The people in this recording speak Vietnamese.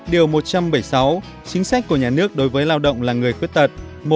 điều một trăm bảy mươi sáu chính sách của nhà nước đối với lao động là người khuyết tật